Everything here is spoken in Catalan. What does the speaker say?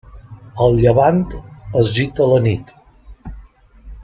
El llevant es gita a la nit.